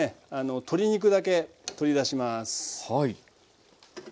鶏肉だけ取り出します。